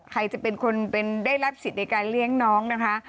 ใครจะเป็นคนได้รับสิทธิ์ในการเลี้ยงน้องนะคะ